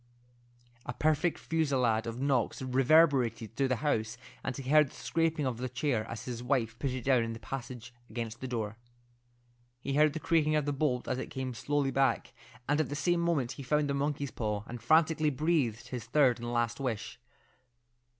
A perfect fusillade of knocks reverberated through the house, and he heard the scraping of a chair as his wife put it down in the passage against the door. He heard the creaking of the bolt as it came slowly back, and at the same moment he found the monkey's paw, and frantically breathed his third and last wish.